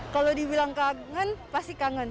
kalau dibilang kangen pasti kangen